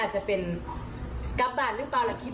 อัจจะเป็นกลับบ้านหรือเปล่าหรือ